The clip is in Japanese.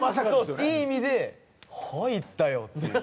いい意味で入ったよっていう。